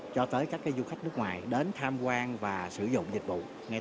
cho tới các du khách nước ngoài đến tham quan và sử dụng dịch vụ